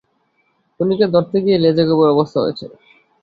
খুনিকে ধরতে গিয়ে লেজে গোবরে অবস্থা হয়েছে।